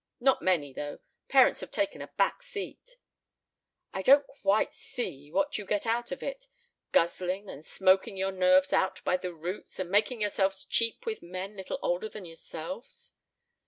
Not many, though. Parents have taken a back seat." "I don't quite see what you get out of it guzzling, and smoking your nerves out by the roots, and making yourselves cheap with men little older than yourselves."